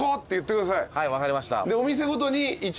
はい分かりました。